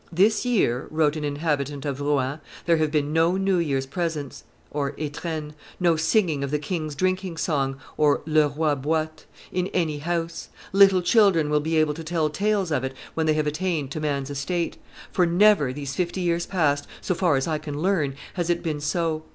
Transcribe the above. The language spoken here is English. "This year," wrote an inhabitant of Rouen, "there have been no New Year's presents [etrennes], no singing of 'the king's drinking song [le roi boit], in any house. Little children will be able to tell tales of it when they have attained to man's estate; for never, these fifty years past, so far as I can learn, has it been so."